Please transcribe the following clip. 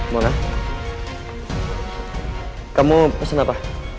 mona kamu pesen apa